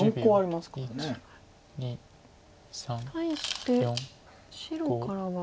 対して白からは。